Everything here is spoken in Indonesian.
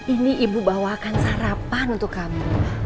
ini ibu bawakan sarapan untuk kamu